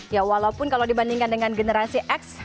ya walaupun kalau dibandingkan dengan generasi x